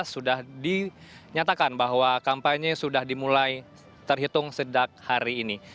sudah dinyatakan bahwa kampanye sudah dimulai terhitung sejak hari ini